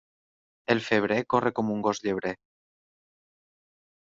El febrer corre com un gos llebrer.